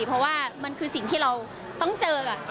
เพราะว่ามันคือสิ่งที่เราต้องเจอ